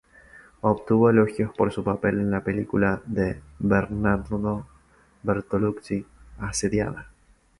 Obtuvo elogios por su papel en la película de Bernardo Bertolucci "Asediada".